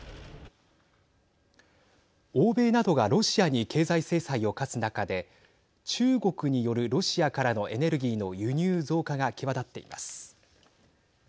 欧米などがロシアに経済制裁を科す中で中国によるロシアからのエネルギーの輸入増加が際立っています。